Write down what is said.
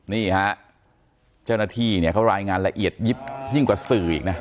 นี่ฮะเจ้าหน้าที่เนี่ยเขารายงานละเอียดยิบยิ่งกว่าสื่ออีกนะ